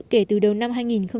kể từ đầu năm hai nghìn một mươi năm